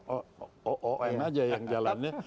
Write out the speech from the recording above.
oon aja yang jalannya